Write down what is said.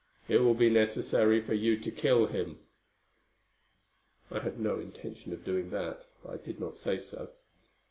It will be necessary for you to kill him." I had no intention of doing that, but I did not say so.